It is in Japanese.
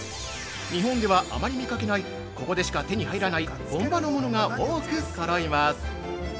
日本ではあまり見かけないここでしか手に入らない本場のものが多くそろいます。